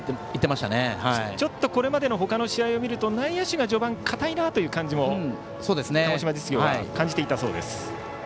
ちょっとこれまでのほかの試合を見ると内野手が硬い感じも鹿児島実業は感じていたそうです。